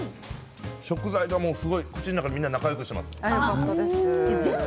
食材が全部、口の中で仲よくしています。